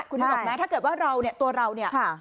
คุณนึกออกไหมถ้าเกิดว่าเราเนี่ยตัวเราเนี่ย